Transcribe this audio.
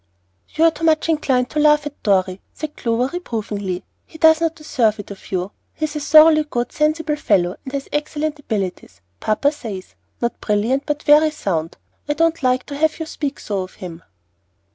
"You are too much inclined to laugh at Dorry," said Clover, reprovingly, "and he doesn't deserve it of you. He's a thoroughly good, sensible fellow, and has excellent abilities, papa says, not brilliant, but very sound. I don't like to have you speak so of him."